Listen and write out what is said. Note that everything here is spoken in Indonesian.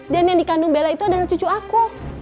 dan yang dikandung bella itu adalah cucu aku